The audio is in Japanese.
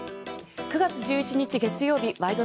９月１１日、月曜日「ワイド！